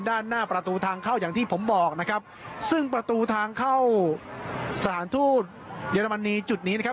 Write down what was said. ด้านหน้าประตูทางเข้าอย่างที่ผมบอกนะครับซึ่งประตูทางเข้าสถานทูตเยอรมนีจุดนี้นะครับ